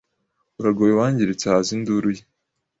Uragowe wangiritse haza induru ye